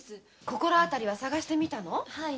心当たりは捜してみたの？